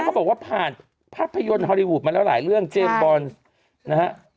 เขาบอกว่าผ่านภาพยนตร์ฮอลลีวูดมาแล้วหลายเรื่องเจมส์บอลนะฮะ